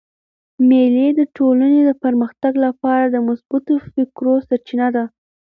مېلې د ټولني د پرمختګ له پاره د مثبتو فکرو سرچینه ده.